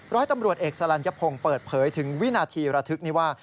ร้อยตำรวจเอกสลัญพงศ์เปิดเผยถึงวินาทีระทึกนี้ว่า